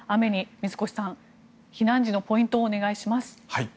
水越さん、避難時のポイントをお願いします。